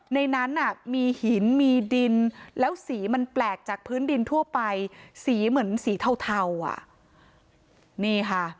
ในนั้นน่ะมีหินมีดินแล้วสีมันแปลกจากพื้นดินทั่วไปสีเหมือนสีเทาอ่ะนี่ค่ะ